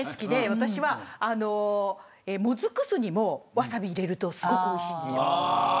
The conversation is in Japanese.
私はもずく酢にもワサビ入れるとすごくおいしいです。